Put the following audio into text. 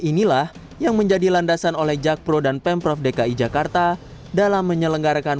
inilah yang menjadi landasan oleh jakpro dan pemprov dki jakarta dalam menyelenggarakan